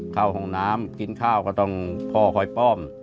เข้าห้องน้ำกินข้าวก็ต้องพ่อคอยป้อม